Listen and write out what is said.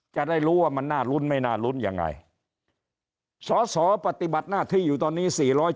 จะได้รู้ว่ามันน่ารุ้นไม่น่าลุ้นยังไงสอสอปฏิบัติหน้าที่อยู่ตอนนี้๔๗